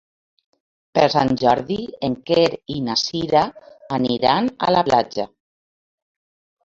Per Sant Jordi en Quer i na Cira aniran a la platja.